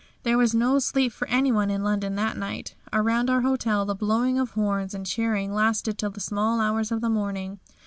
There was no sleep for anyone in London that night. Around our hotel, the blowing of horns and cheering lasted till the small hours of the morning.